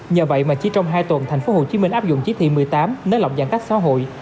nhờ vậy mà chỉ trong hai tuần tp hcm áp dụng chí thị một mươi tám nơi lọc giãn cách xã hội